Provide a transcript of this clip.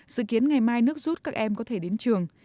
dự kiến ngày mai nước rút các em có thể đến trường